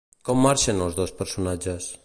Com marxen els dos personatges?